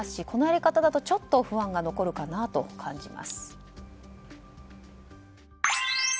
このやり方だとちょっと不安が残るかなと感じます。